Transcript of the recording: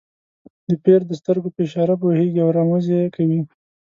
د پیر د سترګو په اشاره پوهېږي او رموز یې کوي.